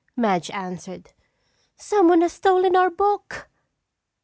Madge answered. "Someone has stolen our book!"